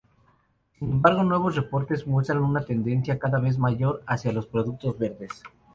Sin embargo, nuevos reportes muestran una tendencia cada vez mayor hacia los productos verdes.